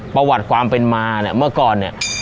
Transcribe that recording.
ประวัติความเป็นมาเนี่ยเมื่อก่อนเนี่ย